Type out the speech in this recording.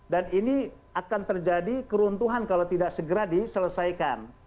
dan ini akan terjadi keruntuhan kalau tidak segera diselesaikan